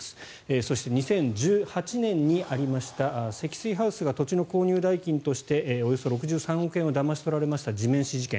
そして、２０１８年にありました積水ハウスが土地の購入代金としておよそ６３億円をだまし取られた地面師事件。